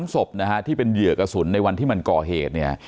๒ศพนะฮะที่เป็นเหยื่อกระสุนในวันที่มันก่อเหตุเนี่ย